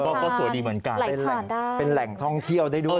ก็ก็สวยดีเหมือนกันไหลผ่านได้เป็นแหล่งท่องเที่ยวได้ด้วยเออ